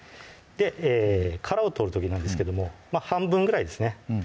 殻を取る時なんですけども半分ぐらいですね